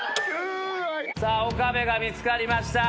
さあ岡部が見つかりました。